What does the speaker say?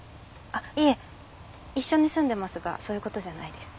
あっいえ一緒に住んでますがそういうことじゃないです。